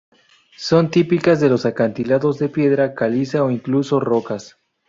Son típicas de los acantilados de piedra caliza o incluso rocas.